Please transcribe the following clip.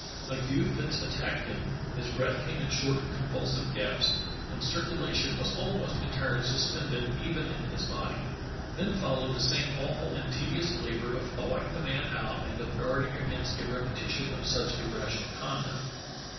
Ague fits attacked him, his breath came in short convulsive gasps, and cir culation was almost entirely suspended, even in his The Saving of Petersen 229 body. Then followed the same awful and tedious labor of thawing the man out and of guarding against a repetition of such irrational conduct.